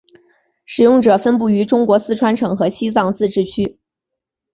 使用者分布于中国四川省和西藏自治区。